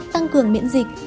tăng cường miễn dịch